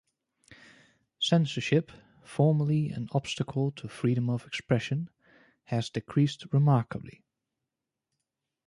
Censorship, formerly an obstacle to freedom of expression, has decreased remarkably.